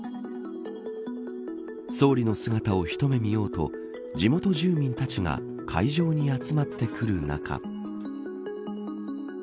総理の姿を一目見ようと地元住民たちが会場に集まってくる中。